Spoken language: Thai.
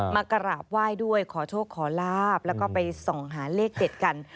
มากราบไหว้ด้วยขอโชคขอลาบแล้วก็ไปส่องหาเลขเด็ดกัน